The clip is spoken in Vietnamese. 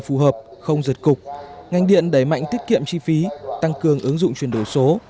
phù hợp không giật cục ngành điện đẩy mạnh tiết kiệm chi phí tăng cường ứng dụng chuyển đổi số